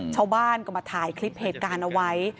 ชาวบ้านก็มาถ่ายคลิปเหตุการณ์เอาไว้